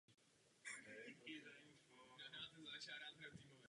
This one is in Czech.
Na dnešek měli naplánovanou schůzku.